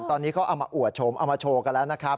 ตอนนี้เขาเอามาอวดชมเอามาโชว์กันแล้วนะครับ